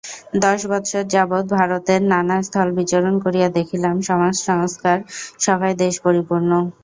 দশ বৎসর যাবৎ ভারতের নানা স্থল বিচরণ করিয়া দেখিলাম, সমাজসংস্কারসভায় দেশ পরিপূর্ণ।